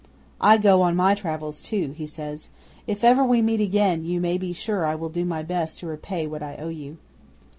'"I go on my travels too," he says. "If ever we meet again you may be sure I will do my best to repay what I owe you."